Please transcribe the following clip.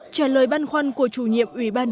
trả lời bàn khoăn của chủ nhiệm ubnd